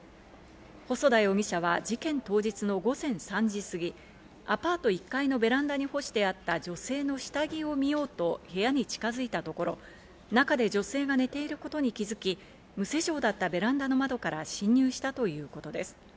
細田容疑者は事件当日の午前３時すぎ、アパート１階のベランダに干してあった女性の下着を見ようと部屋に近づいたところ、中で女性が寝ていることに気づき、無施錠だったベランダの窓から侵入したということです。